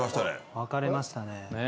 分かれましたね。